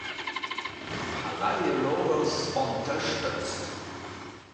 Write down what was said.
Palaiologos unterstützt.